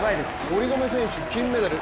堀米選手、金メダル。